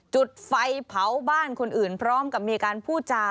จุดไฟเผาบ้านคนอื่นพร้อมกับมีการพูดจา